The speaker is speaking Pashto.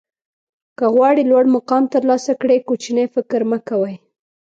که غواړئ لوړ مقام ترلاسه کړئ کوچنی فکر مه کوئ.